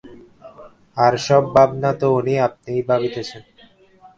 আর-সব ভাবনা তো উনি আপনিই ভাবিতেছেন।